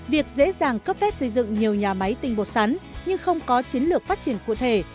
việc dễ dàng cấp phép xây dựng nhiều nhà máy tinh bột sắn nhưng không có chiến lược phát triển cụ thể